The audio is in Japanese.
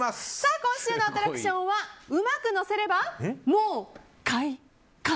今週のアトラクションはうまくのせればもう快感！